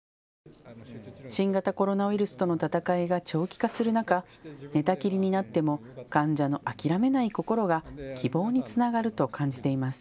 新型コロナウイルスとの闘いが長期化する中、寝たきりになっても患者の諦めない心が希望につながると感じています。